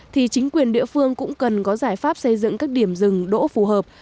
thì chính quyền địa phương cũng cần có giải pháp xây dựng các điểm rừng đỗ phù hợp